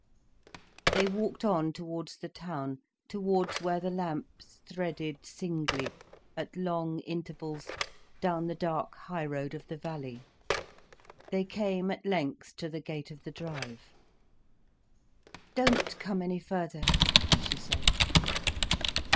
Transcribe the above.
They walked on towards the town, towards where the lamps threaded singly, at long intervals down the dark high road of the valley. They came at length to the gate of the drive. "Don't come any further," she said.